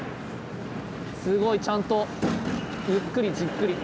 すごいちゃんとゆっくりじっくり。